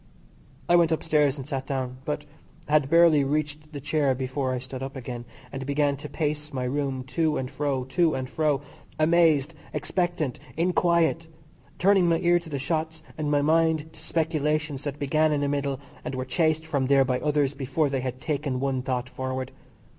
I went upstairs and sat down, but had barely reached the chair before I stood up again, and began to pace my room, to and fro, to and fro; amazed, expectant, inquiet; turning my ear to the shots, and my mind to speculations that began in the middle, and were chased from there by others before they had taken one thought forward.